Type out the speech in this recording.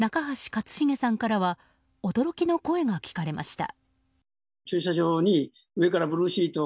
克シゲさんからは驚きの声が聞かれました。